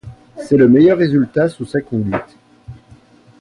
C'est le meilleur résultat sous sa conduite.